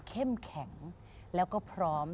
เข้มแข็งแล้วก็พร้อม